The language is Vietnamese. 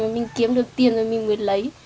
mình kiếm được tiền rồi mình mới lấy